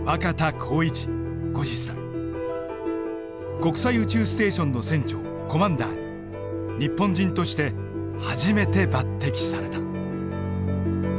国際宇宙ステーションの船長コマンダーに日本人として初めて抜てきされた。